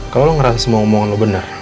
kalau lo ngerasa semua omongan lo bener